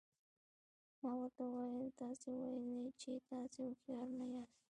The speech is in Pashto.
ما ورته وویل تاسي ویل چې تاسي هوښیار نه یاست.